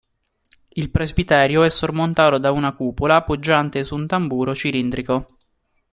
Il presbiterio è sormontato da una cupola, poggiante su un tamburo cilindrico.